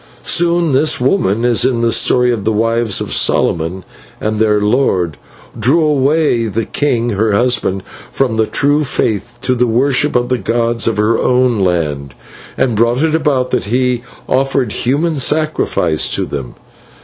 "Soon this woman, as in the story of the wives of Solomon and their lord, drew away the king, her husband, from the true faith to the worship of the gods of her own land, and brought it about that he offered human sacrifice to them.